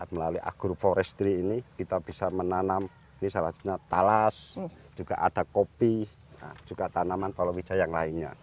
melalui agroforestry ini kita bisa menanam ini salah satunya talas juga ada kopi juga tanaman palawija yang lainnya